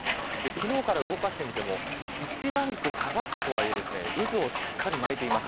昨日から動かしてみても１ランク下がったとはいえ渦をしっかり巻いています。